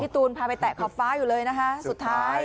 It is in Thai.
ตูนพาไปแตะขอบฟ้าอยู่เลยนะคะสุดท้าย